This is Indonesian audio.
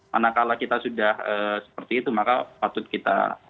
manakala kita sudah seperti itu maka patut kita